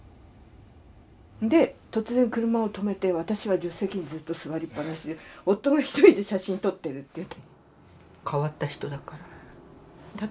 で突然車を止めて私は助手席にずっと座りっぱなしで夫は一人で写真撮ってるっていう。